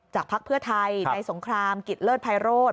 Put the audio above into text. พักเพื่อไทยในสงครามกิจเลิศภัยโรธ